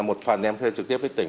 một phần em thuê trực tiếp với tỉnh